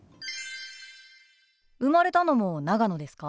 生まれたのも長野ですか？